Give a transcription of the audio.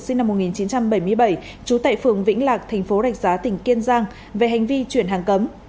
sinh năm một nghìn chín trăm bảy mươi bảy trú tại phường vĩnh lạc thành phố rạch giá tỉnh kiên giang về hành vi chuyển hàng cấm